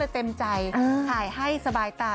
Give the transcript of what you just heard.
เต็มใจถ่ายให้สบายตา